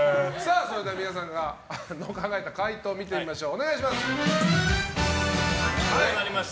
それでは皆さんが考えた解答見てみましょう。